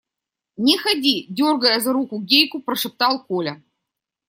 – Не ходи, – дергая за руку Гейку, прошептал Коля.